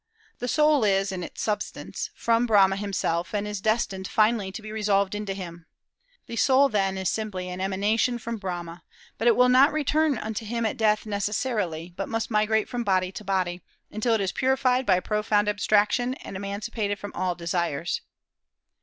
The soul is, in its substance, from Brahma himself, and is destined finally to be resolved into him. The soul, then, is simply an emanation from Brahma; but it will not return unto him at death necessarily, but must migrate from body to body, until it is purified by profound abstraction and emancipated from all desires."